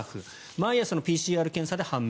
毎朝のＰＣＲ検査で判明。